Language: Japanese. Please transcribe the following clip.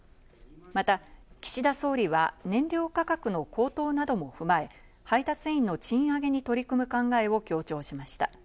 また、岸田総理は燃料価格の高騰なども踏まえ、配達員の賃上げに取り組む考えを強調しました。